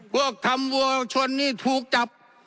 พวกทำวัวชนนี่ถูกจับ